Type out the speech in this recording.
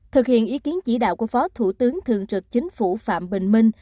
thực hiện ý kiến chỉ đạo của phó thủ tướng thường trực chính phủ phạm bình minh